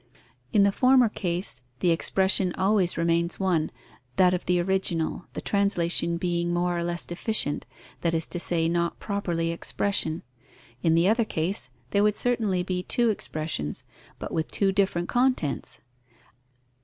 In the former case, the expression always remains one, that of the original, the translation being more or less deficient, that is to say, not properly expression: in the other case, there would certainly be two expressions, but with two different contents.